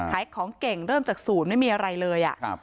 ขายของเก่งเริ่มจากศูนย์ไม่มีอะไรเลย